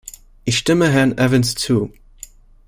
Ich stimme Herrn Evans zu.